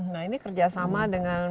nah ini kerjasama dengan